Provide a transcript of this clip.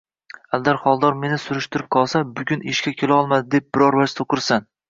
Aldar Xoldor meni surishtirib qolsa, bugun ishga kelolmadi deb, biror vaj to‘qirsan